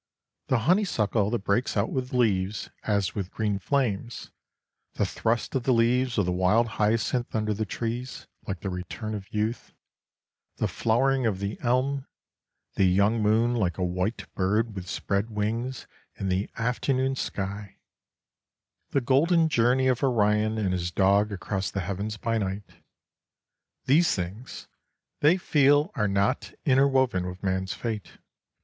The honeysuckle that breaks out with leaves as with green flames; the thrust of the leaves of the wild hyacinth under the trees, like the return of youth; the flowering of the elm; the young moon like a white bird with spread wings in the afternoon sky; the golden journey of Orion and his dog across the heavens by night these things, they feel, are not interwoven with man's fate.